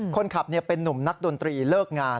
คนขับเป็นนุ่มนักดนตรีเลิกงาน